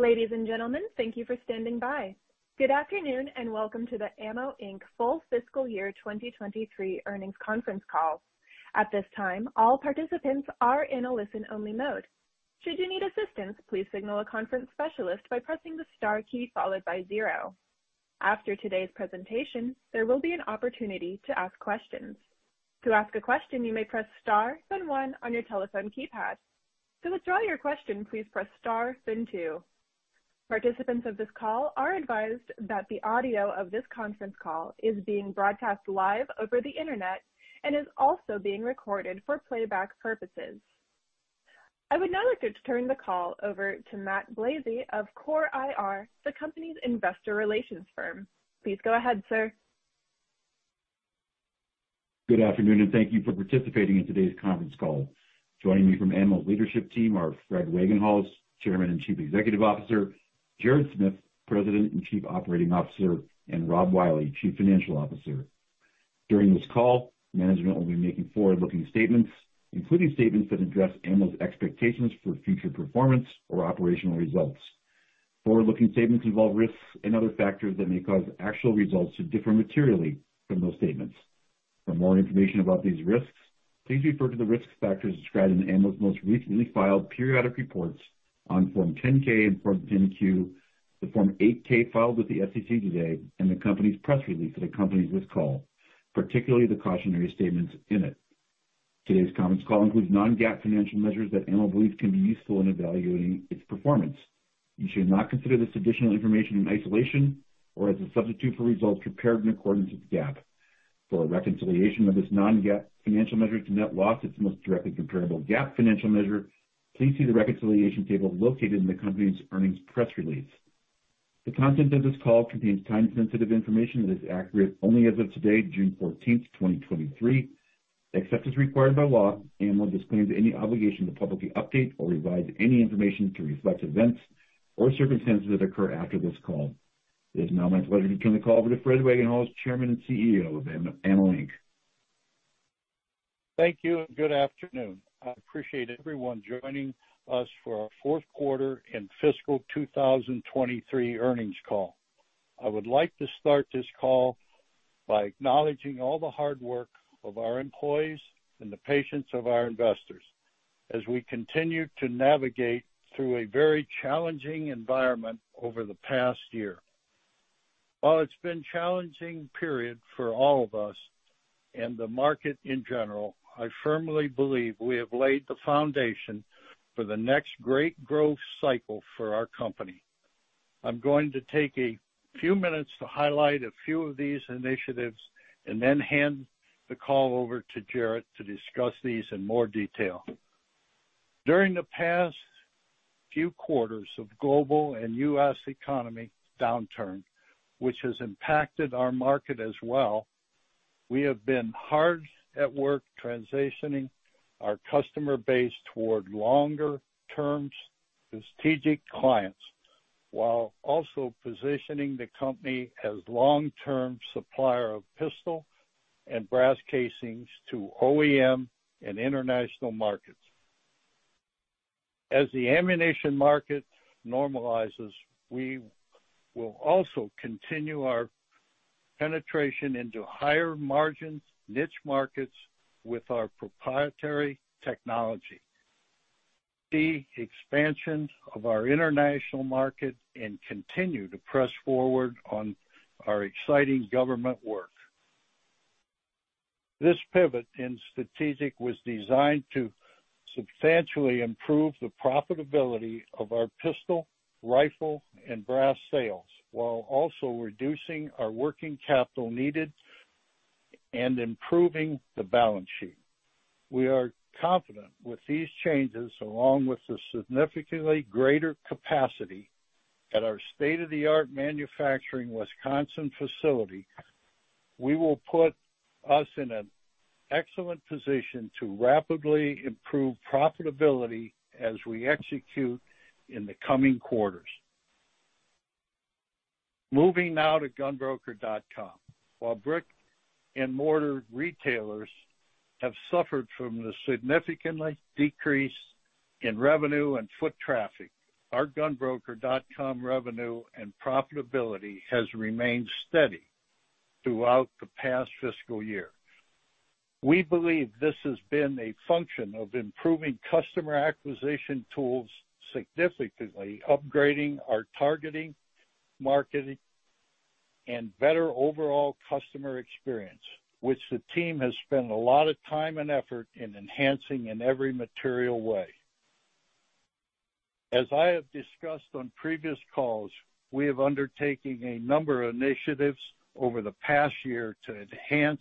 Ladies and gentlemen, thank you for standing by. Good afternoon, and welcome to the AMMO, Inc. full fiscal year 2023 earnings conference call. At this time, all participants are in a listen-only mode. Should you need assistance, please signal a conference specialist by pressing the star key followed by zero. After today's presentation, there will be an opportunity to ask questions. To ask a question, you may press star then one on your telephone keypad. To withdraw your question, please press star, then two. Participants of this call are advised that the audio of this conference call is being broadcast live over the Internet and is also being recorded for playback purposes. I would now like to turn the call over to Matt Blazei of Core IR, the company's investor relations firm. Please go ahead, sir. Good afternoon, thank you for participating in today's conference call. Joining me from AMMO's leadership team are Fred Wagenhals, Chairman and Chief Executive Officer, Jared Smith, President and Chief Operating Officer, and Rob Wiley, Chief Financial Officer. During this call, management will be making forward-looking statements, including statements that address AMMO's expectations for future performance or operational results. Forward-looking statements involve risks and other factors that may cause actual results to differ materially from those statements. For more information about these risks, please refer to the risk factors described in AMMO's most recently filed periodic reports on Form 10-K and Form 10-Q, the Form 8-K filed with the SEC today, and the company's press release that accompanies this call, particularly the cautionary statements in it. Today's conference call includes non-GAAP financial measures that AMMO believes can be useful in evaluating its performance. You should not consider this additional information in isolation or as a substitute for results prepared in accordance with GAAP. For a reconciliation of this non-GAAP financial measure to net loss, its most directly comparable GAAP financial measure, please see the reconciliation table located in the company's earnings press release. The content of this call contains time-sensitive information that is accurate only as of today, June fourteenth, 2023. Except as required by law, Ammo disclaims any obligation to publicly update or revise any information to reflect events or circumstances that occur after this call. It is now my pleasure to turn the call over to Fred Wagenhals, Chairman and CEO of AMMO, Inc. Thank you, and good afternoon. I appreciate everyone joining us for our fourth quarter and fiscal 2023 earnings call. I would like to start this call by acknowledging all the hard work of our employees and the patience of our investors as we continue to navigate through a very challenging environment over the past year. While it's been a challenging period for all of us and the market in general, I firmly believe we have laid the foundation for the next great growth cycle for our company. I'm going to take a few minutes to highlight a few of these initiatives and then hand the call over to Jared to discuss these in more detail. During the past few quarters of global and U.S. economy downturn, which has impacted our market as well, we have been hard at work transitioning our customer base toward longer-term strategic clients, while also positioning the company as long-term supplier of pistol and brass casings to OEM and international markets. As the ammunition market normalizes, we will also continue our penetration into higher margin niche markets with our proprietary technology, the expansion of our international market, and continue to press forward on our exciting government work. This pivot in strategic was designed to substantially improve the profitability of our pistol, rifle, and brass sales, while also reducing our working capital needed and improving the balance sheet. We are confident with these changes, along with the significantly greater capacity at our state-of-the-art manufacturing Wisconsin facility, we will put us in an excellent position to rapidly improve profitability as we execute in the coming quarters. Moving now to GunBroker.com. While brick-and-mortar retailers have suffered from the significantly decrease in revenue and foot traffic, our GunBroker.com revenue and profitability has remained steady throughout the past fiscal year. We believe this has been a function of improving customer acquisition tools, significantly upgrading our targeting, marketing, and better overall customer experience, which the team has spent a lot of time and effort in enhancing in every material way. As I have discussed on previous calls, we have undertaken a number of initiatives over the past year to enhance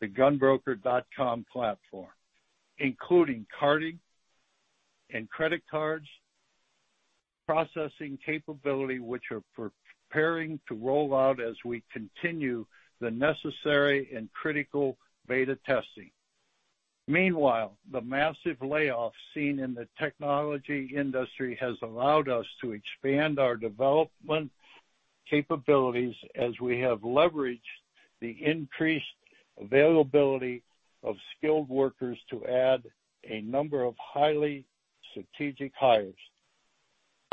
the GunBroker.com platform, including carding and credit cards, processing capability, which we're preparing to roll out as we continue the necessary and critical beta testing. Meanwhile, the massive layoffs seen in the technology industry has allowed us to expand our capabilities as we have leveraged the increased availability of skilled workers to add a number of highly strategic hires.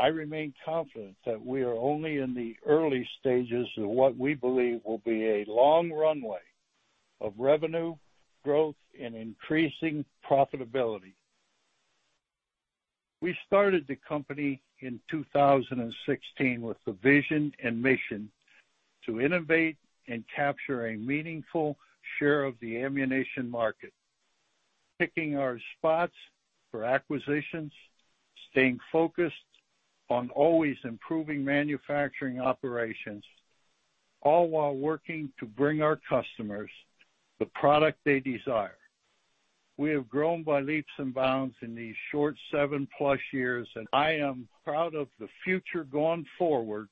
I remain confident that we are only in the early stages of what we believe will be a long runway of revenue, growth, and increasing profitability. We started the company in 2016 with the vision and mission to innovate and capture a meaningful share of the ammunition market, picking our spots for acquisitions, staying focused on always improving manufacturing operations, all while working to bring our customers the product they desire. We have grown by leaps and bounds in these short 7+ years, and I am proud of the future going forward,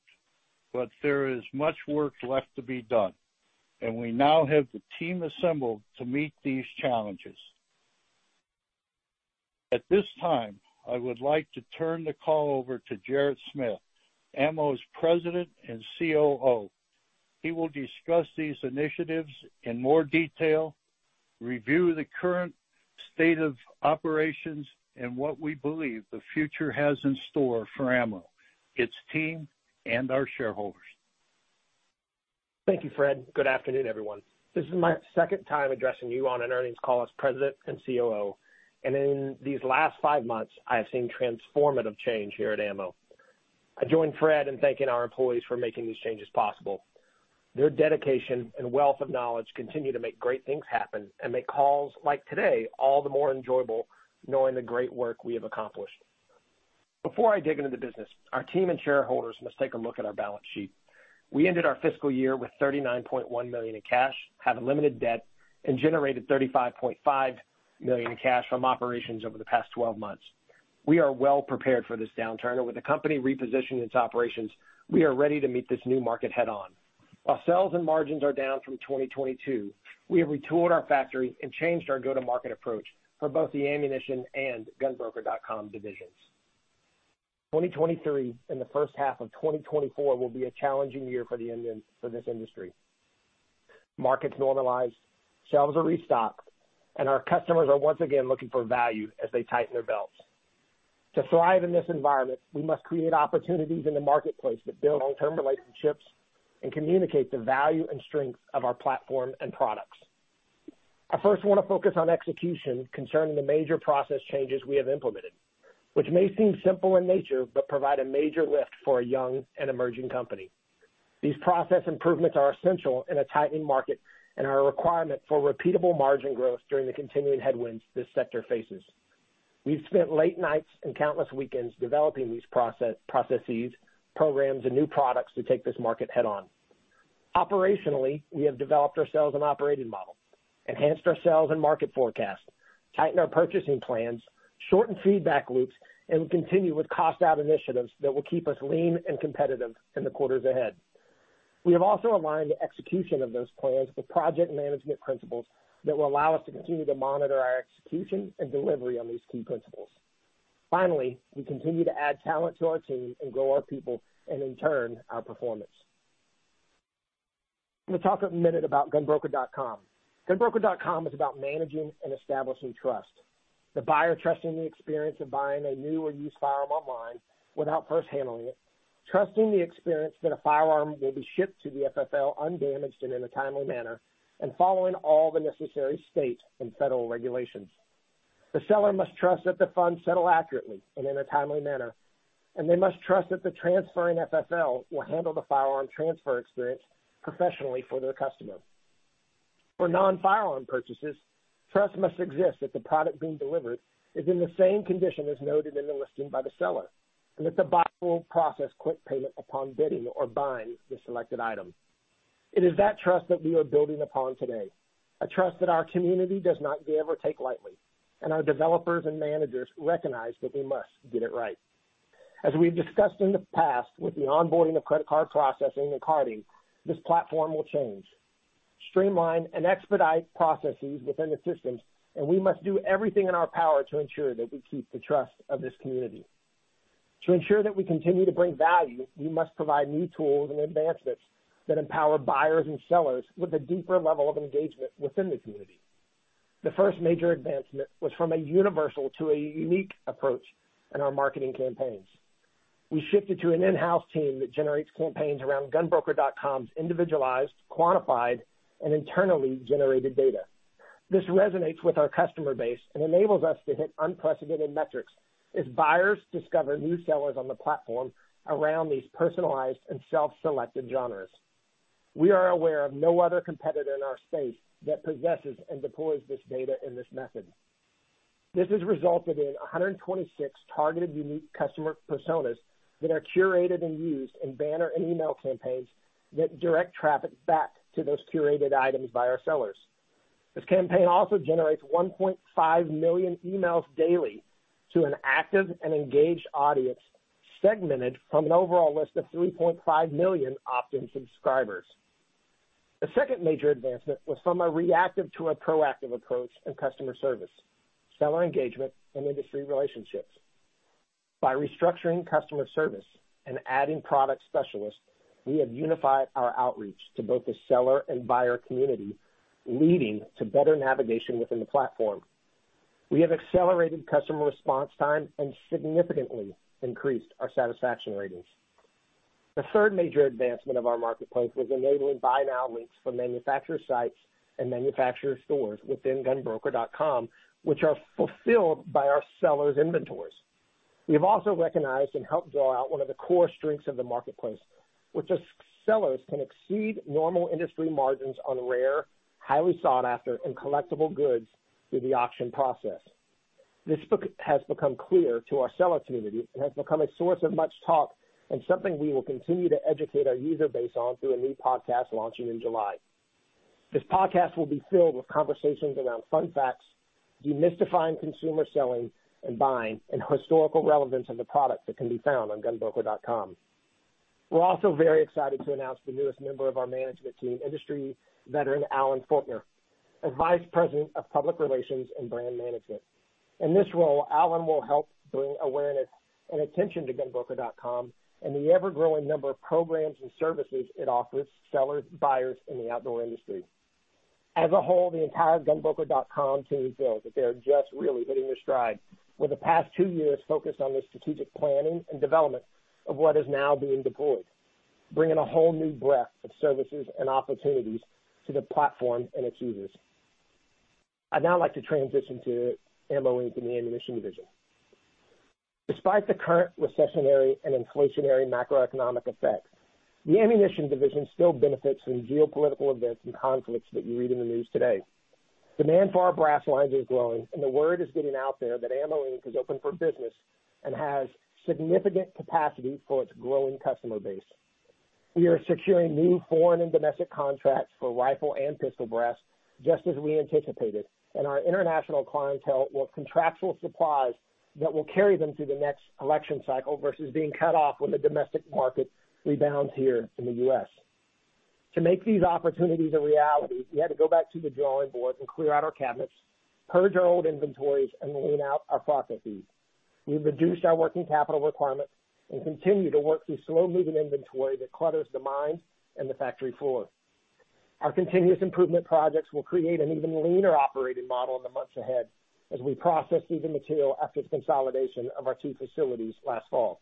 but there is much work left to be done, and we now have the team assembled to meet these challenges. At this time, I would like to turn the call over to Jared Smith, Ammo's President and COO. He will discuss these initiatives in more detail, review the current state of operations, and what we believe the future has in store for Ammo, its team, and our shareholders. Thank you, Fred. Good afternoon, everyone. This is my second time addressing you on an earnings call as President and COO. In these last five months, I have seen transformative change here at AMMO, Inc. I join Fred in thanking our employees for making these changes possible. Their dedication and wealth of knowledge continue to make great things happen, and make calls like today all the more enjoyable, knowing the great work we have accomplished. Before I dig into the business, our team and shareholders must take a look at our balance sheet. We ended our fiscal year with $39.1 million in cash, have limited debt, and generated $35.5 million in cash from operations over the past 12 months. We are well prepared for this downturn, and with the company repositioning its operations, we are ready to meet this new market head-on. While sales and margins are down from 2022, we have retooled our factory and changed our go-to-market approach for both the ammunition and GunBroker.com divisions. 2023 and the first half of 2024 will be a challenging year for this industry. Markets normalize, shelves are restocked, and our customers are once again looking for value as they tighten their belts. To thrive in this environment, we must create opportunities in the marketplace that build long-term relationships and communicate the value and strength of our platform and products. I first want to focus on execution concerning the major process changes we have implemented, which may seem simple in nature, but provide a major lift for a young and emerging company. These process improvements are essential in a tightening market and are a requirement for repeatable margin growth during the continuing headwinds this sector faces. We've spent late nights and countless weekends developing these processes, programs, and new products to take this market head on. Operationally, we have developed our sales and operating model, enhanced our sales and market forecast, tightened our purchasing plans, shortened feedback loops, and continue with cost-out initiatives that will keep us lean and competitive in the quarters ahead. We have also aligned the execution of those plans with project management principles that will allow us to continue to monitor our execution and delivery on these key principles. We continue to add talent to our team and grow our people and in turn, our performance. I'm going to talk a minute about GunBroker.com. GunBroker.com is about managing and establishing trust. The buyer trusting the experience of buying a new or used firearm online without first handling it, trusting the experience that a firearm will be shipped to the FFL, undamaged and in a timely manner, and following all the necessary state and federal regulations. The seller must trust that the funds settle accurately and in a timely manner, and they must trust that the transferring FFL will handle the firearm transfer experience professionally for their customer. For non-firearm purchases, trust must exist that the product being delivered is in the same condition as noted in the listing by the seller, and that the buyer will process quick payment upon bidding or buying the selected item. It is that trust that we are building upon today, a trust that our community does not give or take lightly, and our developers and managers recognize that we must get it right. As we've discussed in the past, with the onboarding of credit card processing and carding, this platform will change, streamline, and expedite processes within the systems. We must do everything in our power to ensure that we keep the trust of this community. To ensure that we continue to bring value, we must provide new tools and advancements that empower buyers and sellers with a deeper level of engagement within the community. The first major advancement was from a universal to a unique approach in our marketing campaigns. We shifted to an in-house team that generates campaigns around GunBroker.com's individualized, quantified, and internally generated data. This resonates with our customer base and enables us to hit unprecedented metrics as buyers discover new sellers on the platform around these personalized and self-selected genres. We are aware of no other competitor in our space that possesses and deploys this data in this method. This has resulted in 126 targeted, unique customer personas that are curated and used in banner and email campaigns that direct traffic back to those curated items by our sellers. This campaign also generates 1.5 million emails daily to an active and engaged audience, segmented from an overall list of 3.5 million opt-in subscribers. The second major advancement was from a reactive to a proactive approach in customer service, seller engagement, and industry relationships. By restructuring customer service and adding product specialists, we have unified our outreach to both the seller and buyer community, leading to better navigation within the platform. We have accelerated customer response time and significantly increased our satisfaction ratings. The third major advancement of our marketplace was enabling buy now links from manufacturer sites and manufacturer stores within GunBroker.com, which are fulfilled by our sellers' inventories. We've also recognized and helped draw out one of the core strengths of the marketplace, which is sellers can exceed normal industry margins on rare, highly sought after, and collectible goods through the auction process. This book has become clear to our seller community and has become a source of much talk and something we will continue to educate our user base on through a new podcast launching in July. This podcast will be filled with conversations around fun facts, demystifying consumer selling and buying, and historical relevance of the products that can be found on GunBroker.com. We're also very excited to announce the newest member of our management team, industry veteran, Alan Faulkner, as Vice President of Public Relations and Brand Management. In this role, Alan will help bring awareness and attention to GunBroker.com and the ever-growing number of programs and services it offers sellers, buyers, and the outdoor industry. As a whole, the entire GunBroker.com team feels that they are just really hitting their stride, with the past two years focused on the strategic planning and development of what is now being deployed, bringing a whole new breadth of services and opportunities to the platform and its users. I'd now like to transition to AMMO, Inc., and the ammunition division. Despite the current recessionary and inflationary macroeconomic effects, the ammunition division still benefits from geopolitical events and conflicts that you read in the news today. Demand for our brass lines is growing, and the word is getting out there that AMMO, Inc. is open for business and has significant capacity for its growing customer base. We are securing new foreign and domestic contracts for rifle and pistol brass, just as we anticipated, our international clientele want contractual supplies that will carry them through the next election cycle versus being cut off when the domestic market rebounds here in the U.S. To make these opportunities a reality, we had to go back to the drawing board and clear out our cabinets, purge our old inventories, and lean out our processes. We've reduced our working capital requirements and continue to work through slow-moving inventory that clutters the mind and the factory floor. Our continuous improvement projects will create an even leaner operating model in the months ahead as we process through the material after the consolidation of our two facilities last fall.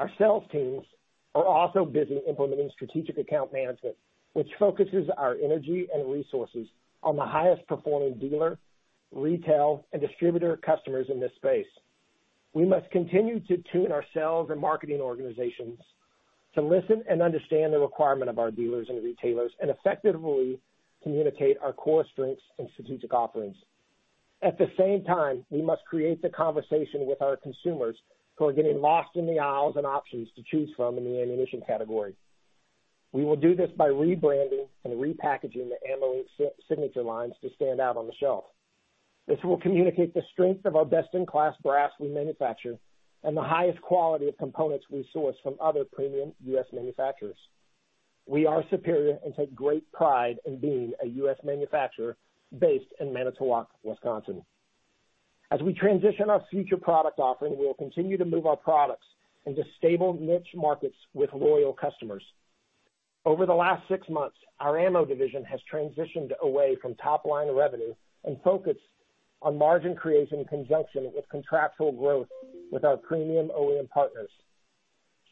Our sales teams are also busy implementing strategic account management, which focuses our energy and resources on the highest performing dealer, retail, and distributor customers in this space. We must continue to tune our sales and marketing organizations to listen and understand the requirement of our dealers and retailers, and effectively communicate our core strengths and strategic offerings. At the same time, we must create the conversation with our consumers who are getting lost in the aisles and options to choose from in the ammunition category. We will do this by rebranding and repackaging the AMMO Inc. signature lines to stand out on the shelf. This will communicate the strength of our best-in-class brass we manufacture and the highest quality of components we source from other premium U.S. manufacturers. We are superior and take great pride in being a U.S. manufacturer based in Manitowoc, Wisconsin. As we transition our future product offering, we will continue to move our products into stable niche markets with loyal customers. Over the last six months, our ammo division has transitioned away from top-line revenue and focused on margin creation in conjunction with contractual growth with our premium OEM partners.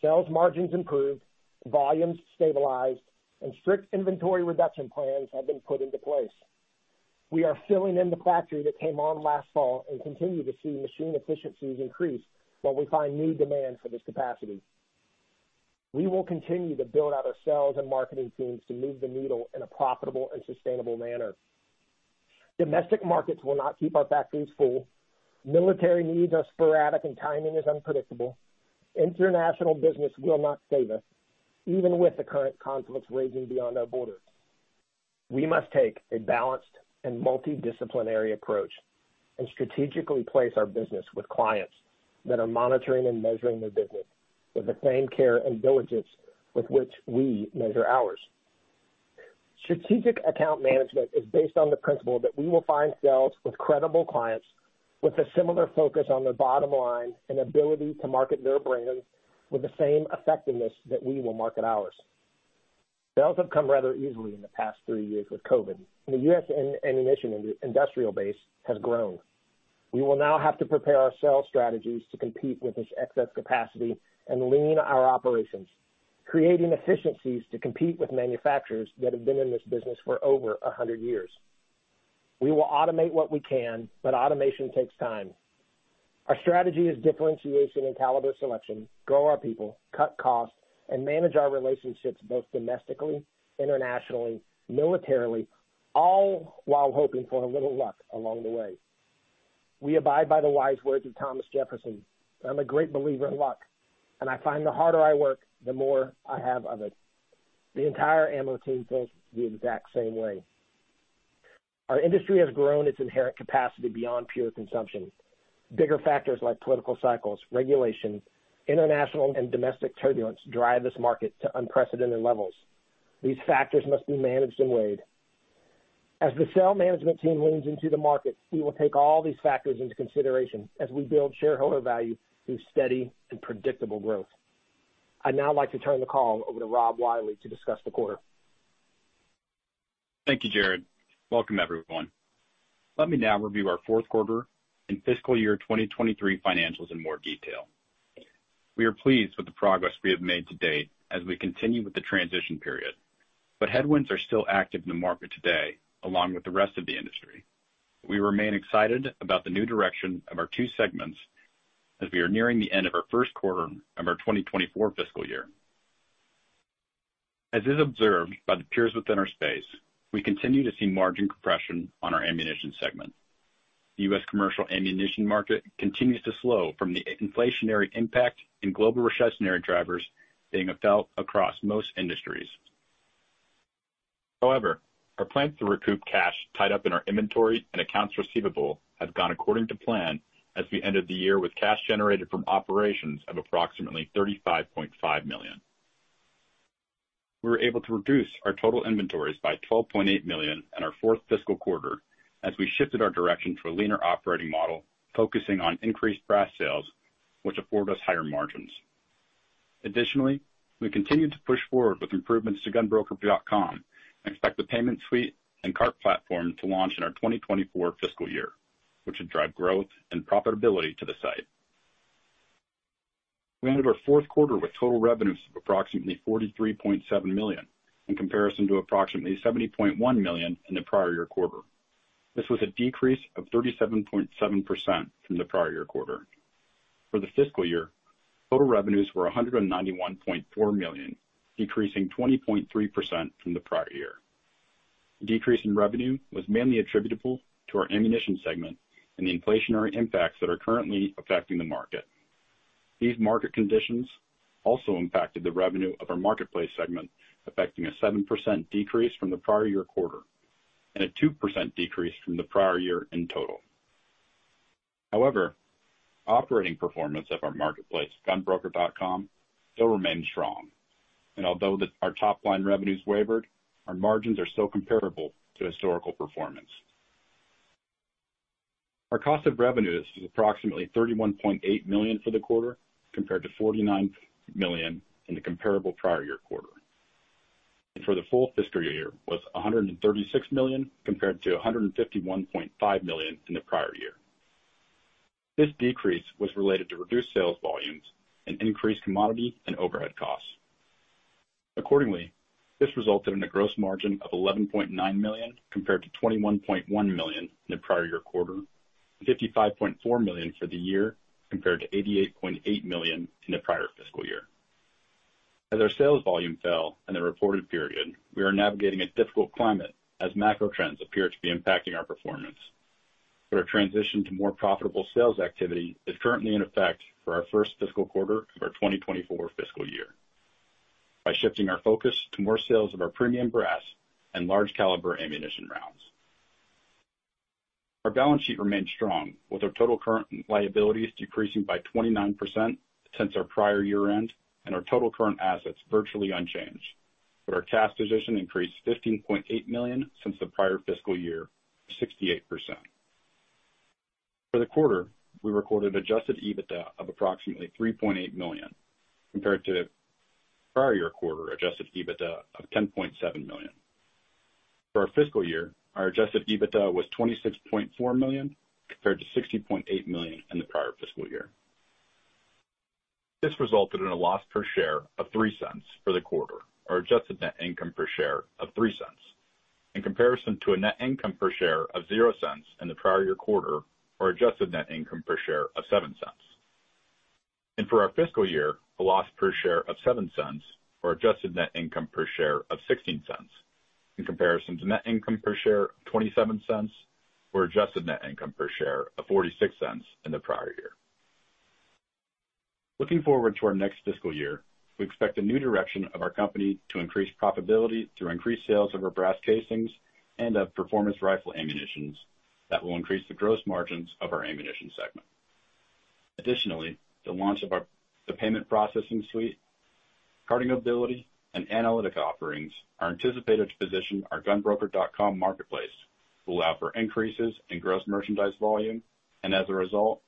Sales margins improved, volumes stabilized, and strict inventory reduction plans have been put into place. We are filling in the factory that came on last fall and continue to see machine efficiencies increase while we find new demand for this capacity. We will continue to build out our sales and marketing teams to move the needle in a profitable and sustainable manner. Domestic markets will not keep our factories full. Military needs are sporadic and timing is unpredictable. International business will not save us, even with the current conflicts raging beyond our borders. We must take a balanced and multidisciplinary approach and strategically place our business with clients that are monitoring and measuring their business with the same care and diligence with which we measure ours. Strategic account management is based on the principle that we will find sales with credible clients with a similar focus on their bottom line and ability to market their brands with the same effectiveness that we will market ours. Sales have come rather easily in the past three years with COVID, and the U.S. ammunition industrial base has grown. We will now have to prepare our sales strategies to compete with this excess capacity and lean our operations, creating efficiencies to compete with manufacturers that have been in this business for over 100 years. We will automate what we can, but automation takes time. Our strategy is differentiation in caliber selection, grow our people, cut costs, and manage our relationships, both domestically, internationally, militarily, all while hoping for a little luck along the way. We abide by the wise words of Thomas Jefferson: "I'm a great believer in luck, and I find the harder I work, the more I have of it." The entire AMMO team feels the exact same way... Our industry has grown its inherent capacity beyond pure consumption. Bigger factors like political cycles, regulation, international and domestic turbulence drive this market to unprecedented levels. These factors must be managed and weighed. As the sale management team leans into the market, we will take all these factors into consideration as we build shareholder value through steady and predictable growth. I'd now like to turn the call over to Rob Wiley to discuss the quarter. Thank you, Jared. Welcome, everyone. Let me now review our fourth quarter and fiscal year 2023 financials in more detail. Headwinds are still active in the market today, along with the rest of the industry. We remain excited about the new direction of our two segments as we are nearing the end of our first quarter of our 2024 fiscal year. As is observed by the peers within our space, we continue to see margin compression on our ammunition segment. The U.S. commercial ammunition market continues to slow from the inflationary impact and global recessionary drivers being felt across most industries. However, our plans to recoup cash tied up in our inventory and accounts receivable have gone according to plan as we ended the year with cash generated from operations of approximately $35.5 million. We were able to reduce our total inventories by $12.8 million in our fourth fiscal quarter as we shifted our direction to a leaner operating model, focusing on increased brass sales, which afford us higher margins. Additionally, we continued to push forward with improvements to GunBroker.com and expect the payment suite and cart platform to launch in our 2024 fiscal year, which would drive growth and profitability to the site. We ended our fourth quarter with total revenues of approximately $43.7 million, in comparison to approximately $70.1 million in the prior year quarter. This was a decrease of 37.7% from the prior year quarter. For the fiscal year, total revenues were $191.4 million, decreasing 20.3% from the prior year. Decrease in revenue was mainly attributable to our ammunition segment and the inflationary impacts that are currently affecting the market. These market conditions also impacted the revenue of our marketplace segment, affecting a 7% decrease from the prior year quarter and a 2% decrease from the prior year in total. However, operating performance of our marketplace, GunBroker.com, still remains strong, and although our top line revenues wavered, our margins are still comparable to historical performance. Our cost of revenues was approximately $31.8 million for the quarter, compared to $49 million in the comparable prior year quarter. For the full fiscal year, was $136 million, compared to $151.5 million in the prior year. This decrease was related to reduced sales volumes and increased commodity and overhead costs. This resulted in a gross margin of $11.9 million compared to $21.1 million in the prior year quarter, and $55.4 million for the year, compared to $88.8 million in the prior fiscal year. As our sales volume fell in the reported period, we are navigating a difficult climate as macro trends appear to be impacting our performance. Our transition to more profitable sales activity is currently in effect for our first fiscal quarter of our 2024 fiscal year, by shifting our focus to more sales of our premium brass and large caliber ammunition rounds. Our balance sheet remains strong, with our total current liabilities decreasing by 29% since our prior year-end, and our total current assets virtually unchanged. Our cash position increased $15.8 million since the prior fiscal year, 68%. For the quarter, we recorded Adjusted EBITDA of approximately $3.8 million, compared to prior year quarter Adjusted EBITDA of $10.7 million. For our fiscal year, our Adjusted EBITDA was $26.4 million, compared to $60.8 million in the prior fiscal year. This resulted in a loss per share of $0.03 for the quarter, or Adjusted Net Income per share of $0.03, in comparison to a net income per share of $0.00 in the prior year quarter, or Adjusted Net Income per share of $0.07. For our fiscal year, a loss per share of $0.07 or Adjusted Net Income per share of $0.16, in comparison to net income per share of $0.27 or Adjusted Net Income per share of $0.46 in the prior year. Looking forward to our next fiscal year, we expect a new direction of our company to increase profitability, through increased sales of our brass casings and of performance rifle ammunitions that will increase the gross margins of our ammunition segment. Additionally, the launch of the payment processing suite, carting ability and analytic offerings are anticipated to position our GunBroker.com marketplace to allow for increases in Gross Merchandise Volume, and as a result,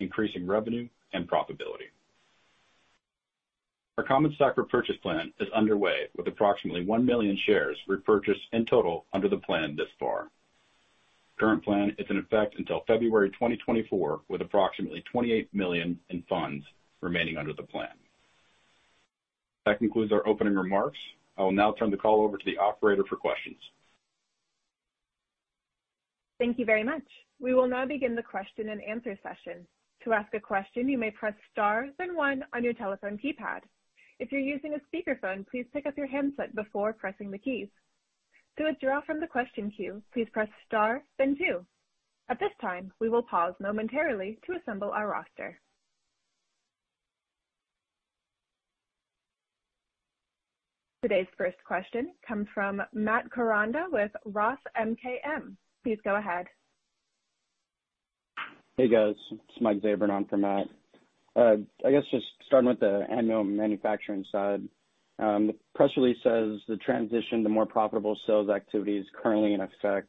increasing revenue and profitability. Our common stock repurchase plan is underway, with approximately 1 million shares repurchased in total under the plan thus far. Current plan is in effect until February 2024, with approximately $28 million in funds remaining under the plan. That concludes our opening remarks. I will now turn the call over to the operator for questions. Thank you very much. We will now begin the question and answer session. To ask a question, you may press star then one on your telephone keypad. If you're using a speakerphone, please pick up your handset before pressing the keys. To withdraw from the question queue, please press star then two. At this time, we will pause momentarily to assemble our roster. Today's first question comes from Matt Koranda with Roth MKM. Please go ahead. Hey, guys. It's Mike Zabran on for Matt. I guess just starting with the annual manufacturing side, the press release says the transition to more profitable sales activity is currently in effect.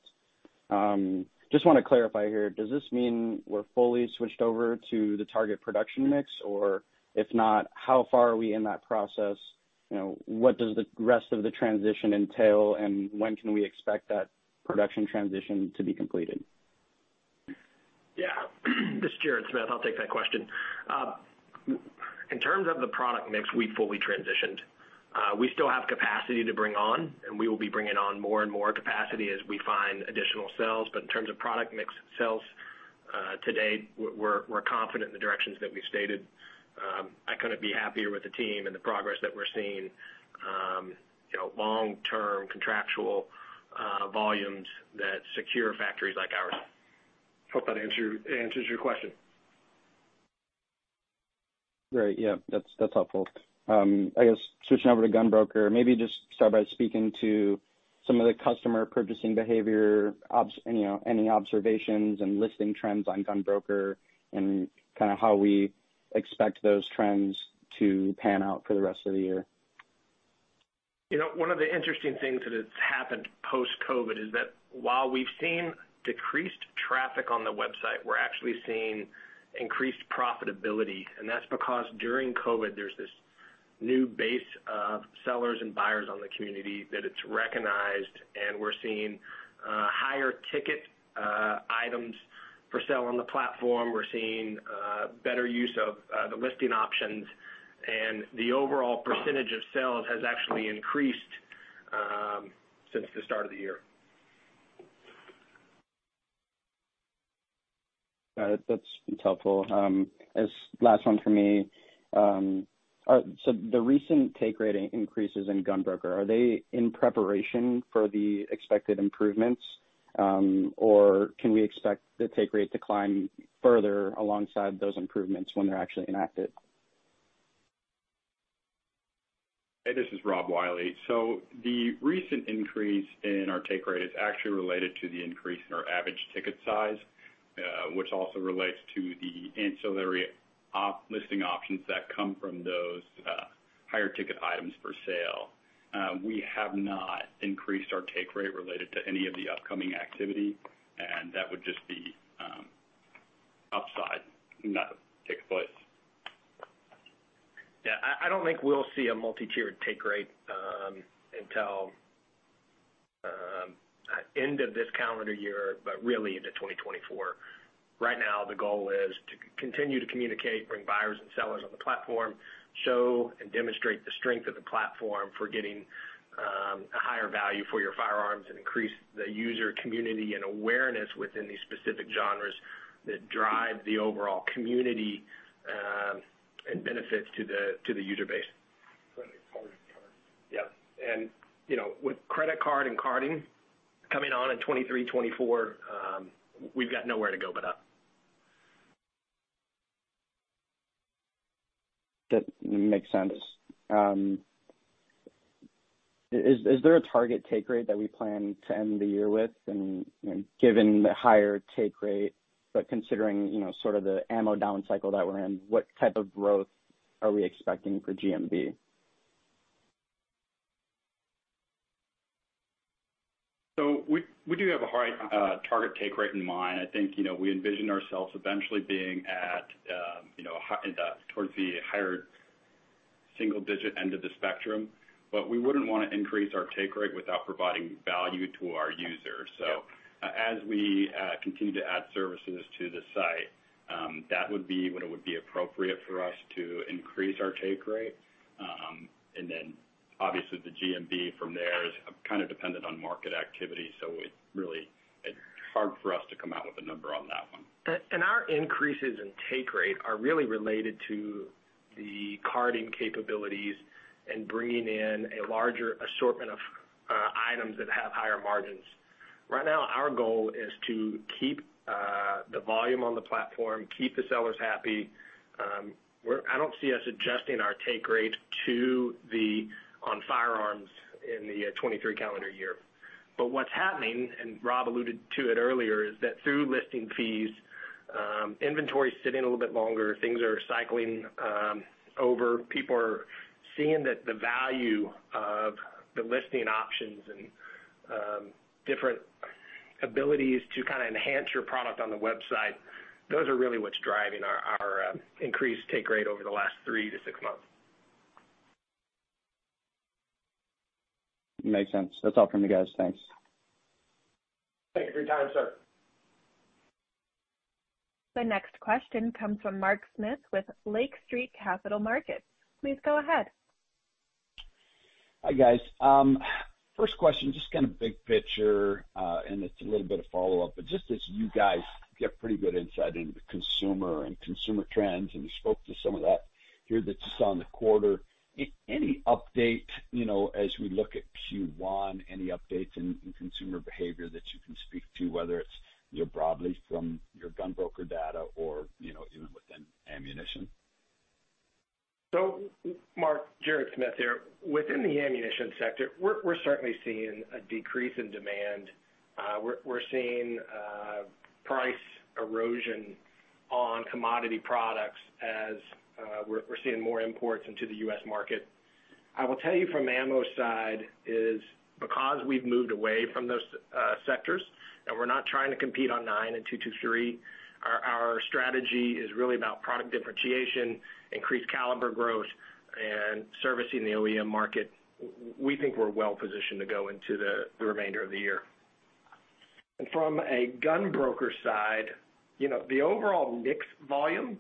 Just want to clarify here, does this mean we're fully switched over to the target production mix? If not, how far are we in that process? You know, what does the rest of the transition entail, and when can we expect that production transition to be completed? Yeah, this is Jared Smith. I'll take that question. In terms of the product mix, we fully transitioned. We still have capacity to bring on, and we will be bringing on more and more capacity as we find additional sales. In terms of product mix sales, today, we're confident in the directions that we've stated. I couldn't be happier with the team and the progress that we're seeing, you know, long-term contractual volumes that secure factories like ours. Hope that answers your question. Great. Yeah, that's helpful. I guess switching over to GunBroker, maybe just start by speaking to some of the customer purchasing behavior, you know, any observations and listing trends on GunBroker, kind of how we expect those trends to pan out for the rest of the year. You know, one of the interesting things that has happened post-COVID is that while we've seen decreased traffic on the website, we're actually seeing increased profitability. That's because during COVID, there's this new base of sellers and buyers on the community that it's recognized. We're seeing higher ticket items for sale on the platform. We're seeing better use of the listing options. The overall percentage of sales has actually increased since the start of the year. Got it. That's, that's helpful. Last one for me, the recent take rate increases in GunBroker, are they in preparation for the expected improvements, or can we expect the take rate to climb further alongside those improvements when they're actually enacted? Hey, this is Rob Wiley. The recent increase in our take rate is actually related to the increase in our average ticket size, which also relates to the ancillary listing options that come from those higher ticket items for sale. We have not increased our take rate related to any of the upcoming activity, that would just be upside if nothing takes place. I don't think we'll see a multi-tiered take rate until end of this calendar year, but really into 2024. Right now, the goal is to continue to communicate, bring buyers and sellers on the platform, show and demonstrate the strength of the platform for getting a higher value for your firearms, and increase the user community and awareness within these specific genres that drive the overall community and benefits to the user base. Credit card and card. Yeah, you know, with credit card and carding coming on in 2023, 2024, we've got nowhere to go but up. That makes sense. Is there a target take rate that we plan to end the year with? You know, given the higher take rate, but considering, you know, sort of the ammo down cycle that we're in, what type of growth are we expecting for GMV? we do have a high target take rate in mind. I think, you know, we envision ourselves eventually being at, you know, a high towards the higher single digit end of the spectrum, but we wouldn't want to increase our take rate without providing value to our users. Yeah. As we continue to add services to the site, that would be when it would be appropriate for us to increase our take rate. Obviously, the GMV from there is kind of dependent on market activity, so it really, it's hard for us to come out with a number on that one. Our increases in take rate are really related to the carding capabilities and bringing in a larger assortment of items that have higher margins. Right now, our goal is to keep the volume on the platform, keep the sellers happy. I don't see us adjusting our take rate to the, on firearms in the 2023 calendar year. What's happening, and Rob alluded to it earlier, is that through listing fees, inventory is sitting a little bit longer, things are cycling over. People are seeing that the value of the listing options and different abilities to kind of enhance your product on the website, those are really what's driving our increased take rate over the last three to six months. Makes sense. That's all from me, guys. Thanks. Thank you for your time, sir. The next question comes from Mark Smith with Lake Street Capital Markets. Please go ahead. Hi, guys. First question, just kind of big picture, and it's a little bit of follow-up, but just as you guys get pretty good insight into the consumer and consumer trends, and you spoke to some of that here that just on the quarter. Any update, you know, as we look at Q1, any updates in consumer behavior that you can speak to, whether it's, you know, broadly from your GunBroker data or, you know, even within ammunition? Mark, Jared Smith here. Within the ammunition sector, we're certainly seeing a decrease in demand. We're seeing price erosion on commodity products as we're seeing more imports into the U.S. market. I will tell you from the AMMO side is, because we've moved away from those sectors, and we're not trying to compete on 9mm and .223 Remington, our strategy is really about product differentiation, increased caliber growth, and servicing the OEM market. We think we're well positioned to go into the remainder of the year. From a GunBroker side, you know, the overall mix volume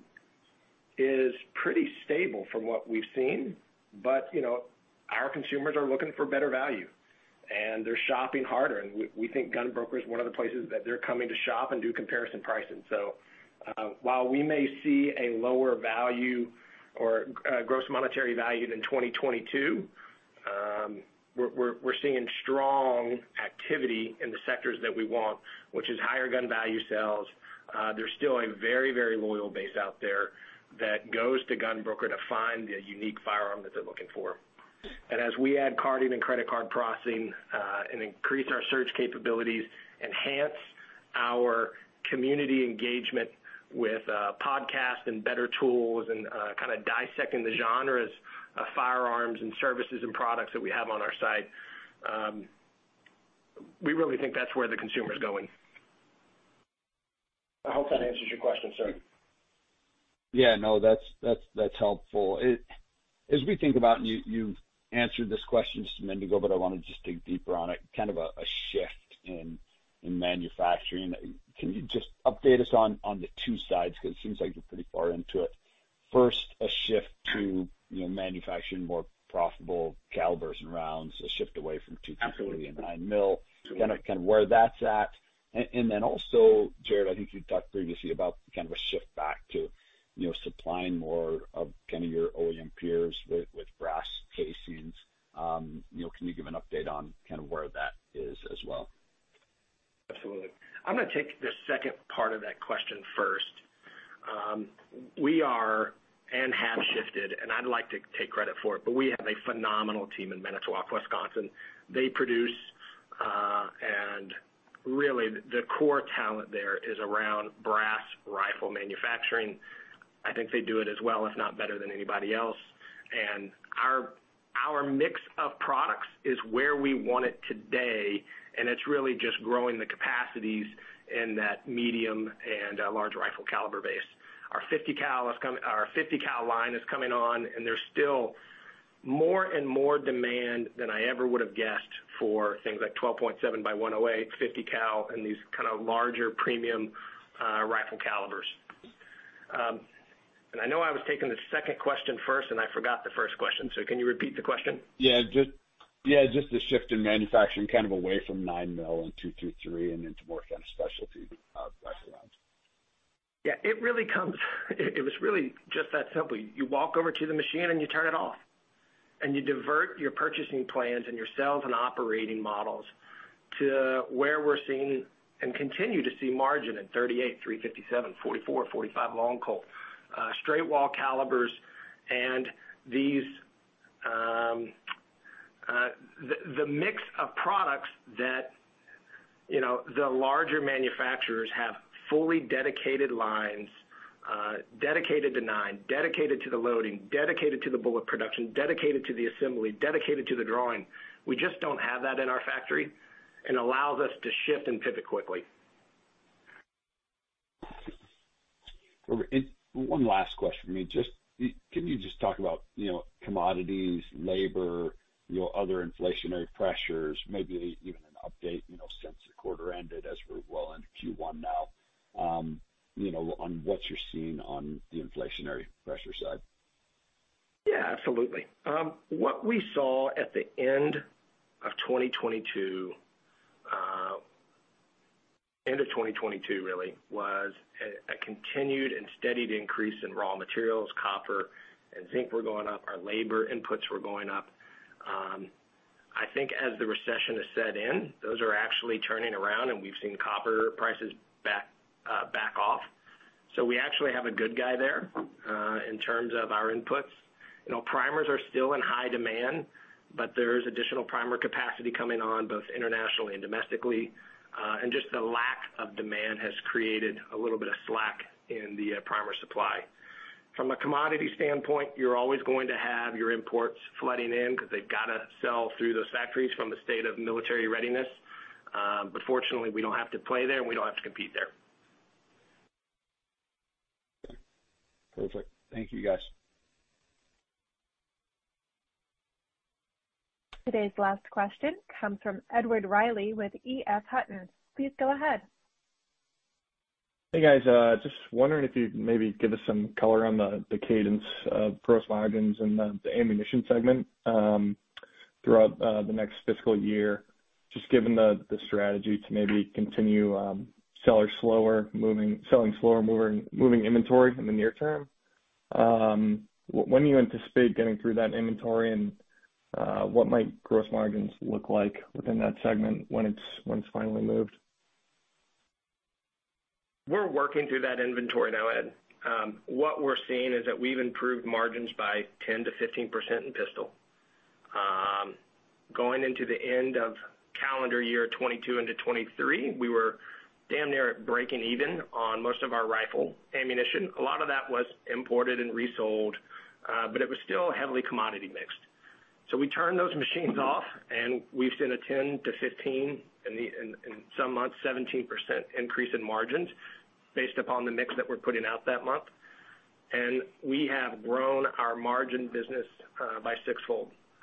is pretty stable from what we've seen, but, you know, our consumers are looking for better value, and they're shopping harder, and we think GunBroker is one of the places that they're coming to shop and do comparison pricing. While we may see a lower value or gross monetary value than 2022, we're seeing strong activity in the sectors that we want, which is higher gun value sales. There's still a very, very loyal base out there that goes to GunBroker to find the unique firearm that they're looking for. As we add carding and credit card processing, and increase our search capabilities, enhance our community engagement with podcasts and better tools, kind of dissecting the genres of firearms and services and products that we have on our site, we really think that's where the consumer's going. I hope that answers your question, sir. No, that's helpful. As we think about, you've answered this question just a minute ago, but I want to just dig deeper on it, kind of a shift in manufacturing. Can you just update us on the two sides? It seems like you're pretty far into it. First, a shift to, you know, manufacturing more profitable calibers and rounds, a shift away from 223 and 9mm. Absolutely. Kind of where that's at. Then also, Jared, I think you talked previously about kind of a shift back to, you know, supplying more of kind of your OEM peers with brass casings. You know, can you give an update on kind of where that is as well? Absolutely. I'm going to take the second part of that question first. We are and have shifted, and I'd like to take credit for it, but we have a phenomenal team in Manitowoc, Wisconsin. They produce, and really, the core talent there is around brass rifle manufacturing. I think they do it as well, if not better than anybody else. Our mix of products is where we want it today, and it's really just growing the capacities in that medium and large rifle caliber base. Our .50 cal line is coming on, and there's still more and more demand than I ever would have guessed for things like 12.7x108mm, .50 cal, and these kind of larger premium rifle calibers. I know I was taking the second question first, and I forgot the first question, so can you repeat the question? Yeah, just the shift in manufacturing, kind of away from 9mm and .223, and into more kind of specialty rifle rounds. Yeah, it was really just that simple. You walk over to the machine, and you turn it off, and you divert your purchasing plans and your sales and operating models to where we're seeing, and continue to see margin in .38, .357, .44, .45 Long Colt, straight-wall calibers. The mix of products that, you know, the larger manufacturers have fully dedicated lines, dedicated to 9mm, dedicated to the loading, dedicated to the bullet production, dedicated to the assembly, dedicated to the drawing. We just don't have that in our factory and allows us to shift and pivot quickly. One last question for me: Just, can you just talk about, you know, commodities, labor, you know, other inflationary pressures, maybe even an update, you know, since the quarter ended, as we're well into Q1 now, you know, on what you're seeing on the inflationary pressure side? Yeah, absolutely. What we saw at the end of 2022, end of 2022 really, was a continued and steady increase in raw materials. Copper and zinc were going up, our labor inputs were going up. I think as the recession has set in, those are actually turning around, and we've seen copper prices back off. We actually have a good guy there in terms of our inputs. You know, primers are still in high demand, but there is additional primer capacity coming on, both internationally and domestically. Just the lack of demand has created a little bit of slack in the primer supply. From a commodity standpoint, you're always going to have your imports flooding in, because they've got to sell through those factories from a state of military readiness. Fortunately, we don't have to play there, and we don't have to compete there. Perfect. Thank you, guys. Today's last question comes from Edward Reilly with E.F. Hutton. Please go ahead. Hey, guys, just wondering if you'd maybe give us some color on the cadence of gross margins in the ammunition segment, throughout the next fiscal year, just given the strategy to maybe continue seller slower, selling slower, moving inventory in the near term. When do you anticipate getting through that inventory, and what might gross margins look like within that segment when it's finally moved? We're working through that inventory now, Ed. What we're seeing is that we've improved margins by 10%-15% in pistol. Going into the end of calendar year 2022 into 2023, we were damn near at breaking even on most of our rifle ammunition. A lot of that was imported and resold, but it was still heavily commodity mixed. We turned those machines off, and we've seen a 10%-15%, in some months, 17% increase in margins based upon the mix that we're putting out that month. We have grown our margin business,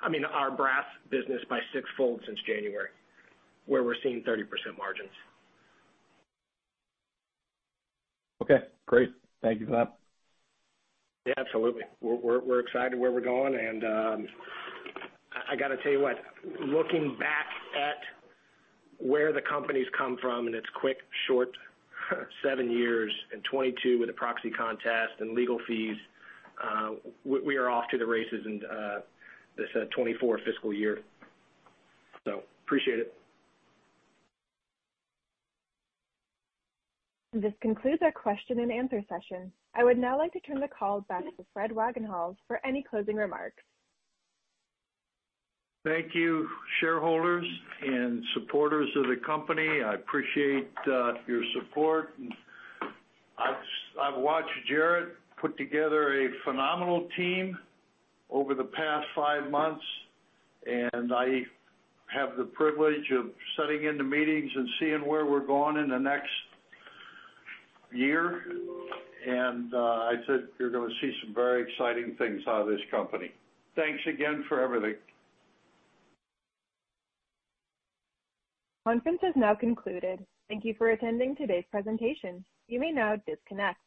I mean, our brass business by sixfold since January, where we're seeing 30% margins. Okay, great. Thank you for that. Yeah, absolutely. We're excited where we're going, and I got to tell you what, looking back at where the company's come from in its quick, short, seven years and 2022 with the proxy contest and legal fees, we are off to the races in this 2024 fiscal year. Appreciate it. This concludes our question and answer session. I would now like to turn the call back to Fred Wagenhals for any closing remarks. Thank you, shareholders and supporters of the company. I appreciate your support, and I've watched Jared put together a phenomenal team over the past five months, and I have the privilege of sitting in the meetings and seeing where we're going in the next year. I'd say you're going to see some very exciting things out of this company. Thanks again for everything. Conference is now concluded. Thank you for attending today's presentation. You may now disconnect.